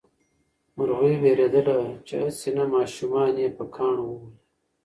مرغۍ وېرېدله چې هسې نه ماشومان یې په کاڼو وولي.